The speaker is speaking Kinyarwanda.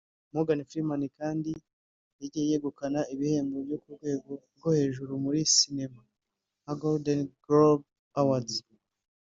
Morgan Freeman kandi yagiye yegukana ibihembo byo ku rwego rwo hejuru muri cinema nka Golden Globe Award